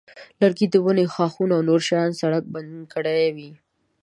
لرګي د ونې ښاخونه او نور شیان سړک بند کړی وي.